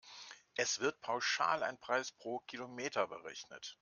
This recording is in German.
Es wird pauschal ein Preis pro Kilometer berechnet.